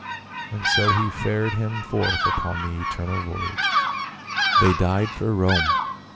And so he fared him forth upon the eternal voyage. " They died for Rome